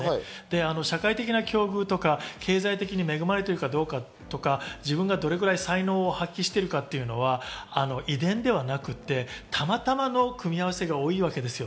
社会的な境遇とか、経済的に恵まれているかどうかとか、自分がどれぐらい才能を発揮しているかというのは遺伝ではなくて、たまたまの組み合わせが多いわけです。